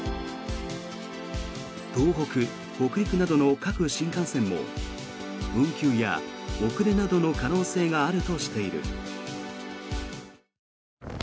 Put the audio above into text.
東北・北陸などの各新幹線も運休や遅れなどの可能性があるとしている。